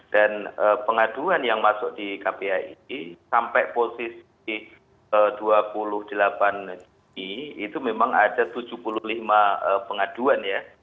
dan pengaduan yang masuk di kpai sampai posisi dua puluh delapan g itu memang ada tujuh puluh lima pengaduan ya